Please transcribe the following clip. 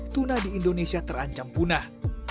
tuna di indonesia terancam punah